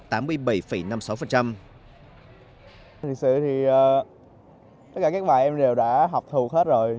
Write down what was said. thực sự thì tất cả các bài em đều đã học thuộc hết rồi